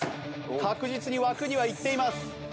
確実に枠には行っています。